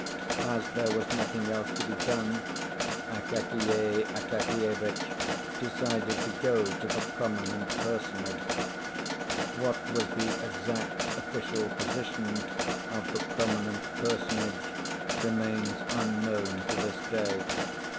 As there was nothing else to be done, Akakiy Akakievitch decided to go to the prominent personage. What was the exact official position of the prominent personage remains unknown to this day.